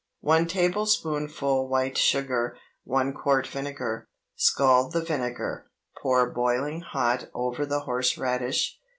1 tablespoonful white sugar. 1 quart vinegar. Scald the vinegar; pour boiling hot over the horseradish.